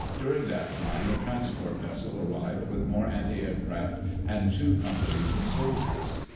During that time a transport vessel arrived with more antiaircraft and two companies of soldiers.